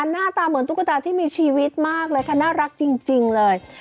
หน้าตาเหมือนตุ๊กตาที่มีชีวิตมากเลยค่ะน่ารักจริงเลย